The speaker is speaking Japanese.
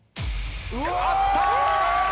あった！